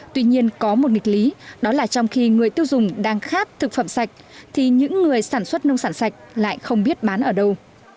tuy nhiên có một nghịch lý đó là trong khi người tiêu dùng đang khát thực phẩm sạch thì những người sản xuất nông sản sạch lại không biết bán ở đâu